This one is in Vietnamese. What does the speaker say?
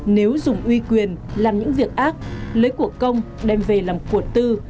nếu dùng uy quyền làm những việc ác lấy cuộc công đem về làm cuộc tư